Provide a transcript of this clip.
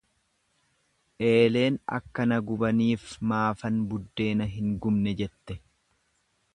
Eeleen, akka na gubaniif maafan buddeen hin gubne jette.